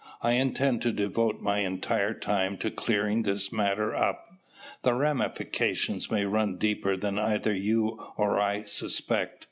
I intend to devote my entire time to clearing this matter up. The ramifications may run deeper than either you or I suspect.